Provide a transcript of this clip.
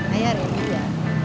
ayah rendy ya